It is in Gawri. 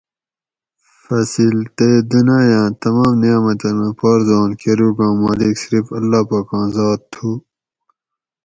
فصل تے دُنایاں تمام نعمتونہ پارزوان کۤروگاں مالک صرف اللّہ پاکاں ذات تُھو